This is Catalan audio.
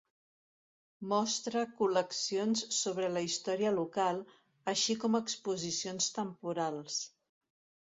Mostra col·leccions sobre la història local, així com exposicions temporals.